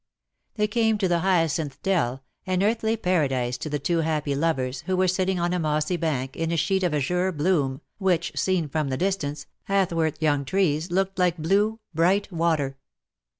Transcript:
^^ They came to the hyacinth dell — an earthly paradise to the two happy lovers, who were sitting on a mossy bank, in a sheet of azure bloom, which, seen from the distance, athwart young trees, looked like blue, bright water.